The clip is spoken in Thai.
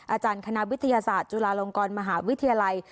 อาจารย์คณะวิทยาศาสตร์จุฬาลงกรมหาวิทยาลัย